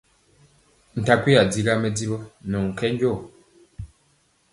Nta gweya digaa mɛdivɔ nɛ ɔ nkɛnjɔɔ.